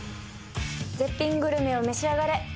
絶品グルメを召し上がれ。